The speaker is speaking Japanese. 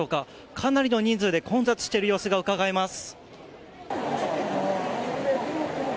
かなりの人数で混雑している様子がうかがえます。